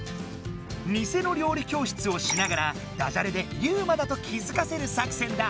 ニセの料理教室をしながらダジャレでユウマだと気付かせる作戦だ。